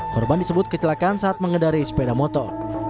kurban disebut kecelakaan saat mengedari sepeda motor